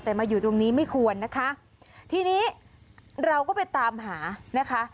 แต่มาอยู่ตรงนี้ไม่ควรนะคะทีนี้เราก็ไปตามหานะคะ